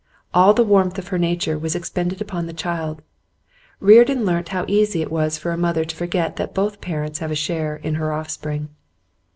All the warmth of her nature was expended upon the child; Reardon learnt how easy it is for a mother to forget that both parents have a share in her offspring.